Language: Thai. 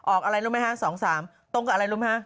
อะไรรู้ไหมคะ๒๓ตรงกับอะไรรู้ไหมคะ